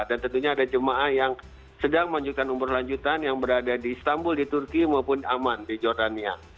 dan tentunya ada jemaah yang sedang menunjukkan umur lanjutan yang berada di istanbul di turki maupun aman di jordania